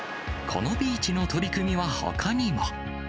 このビーチの取り組みはほかにも。